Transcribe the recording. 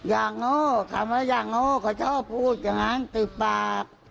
อย่างโง่คำว่าอย่างโง่เขาชอบพูดอย่างนั้นติดปาก